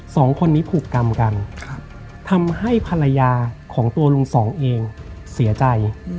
สองคนนี้ผูกกรรมกันทำให้ภรรยาของตัวลุงสองเองเสียใจ